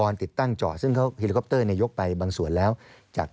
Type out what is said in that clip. นี่กว่า